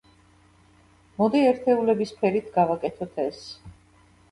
მოდი, ერთეულების ფერით გავაკეთოთ ეს.